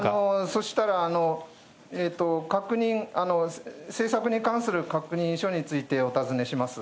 そしたら、確認、政策に関する確認書について、お尋ねします。